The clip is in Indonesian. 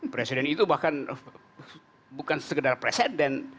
presiden itu bahkan bukan sekedar presiden